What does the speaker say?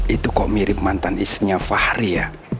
itu kok mirip mantan istrinya fahri ya